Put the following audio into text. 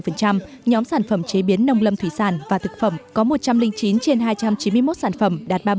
nhóm sản phẩm chế biến nông lâm thủy sản và thực phẩm có một trăm linh chín trên hai trăm chín mươi một sản phẩm đạt ba mươi bảy